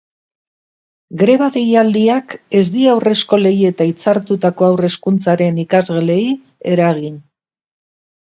Greba deialdiak ez die haurreskolei eta hitzartutako haur-hezkuntzaren ikasgelei eragin.